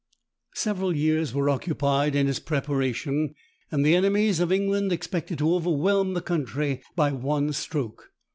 Several years were occupied in its preparation; and the enemies of England expected to overwhelm the country by one stroke.